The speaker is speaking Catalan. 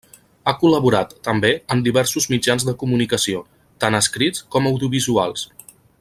Ha col·laborat, també, en diversos mitjans de comunicació, tants escrits com audiovisuals.